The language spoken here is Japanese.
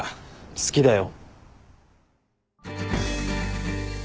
好きだよ。